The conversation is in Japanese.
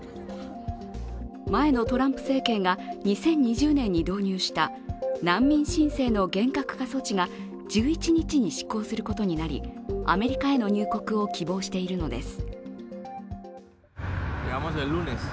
前のトランプ政権が２０２０年に導入した難民申請の厳格化措置が１１日に失効することになり、アメリカへの入国を希望しているのです。